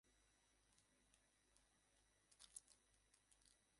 এরকম জায়গাতেই মানুষের আত্মা মুক্তির আকাঙ্ক্ষা করে।